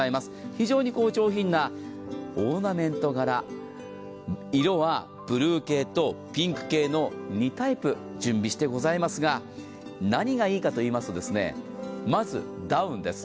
非常に上品なオーナメント柄、色はブルー系とピンク系の２タイプ準備してございますが、何がいいかといいますと、まずダウンです。